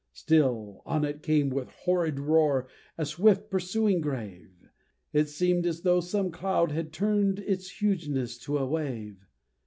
Still on it came, with horrid roar, a swift pursuing grave; It seem'd as though some cloud had turned its hugeness to a wave!